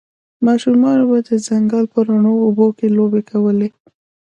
ماشومانو به د ځنګل په روڼو اوبو کې لوبې کولې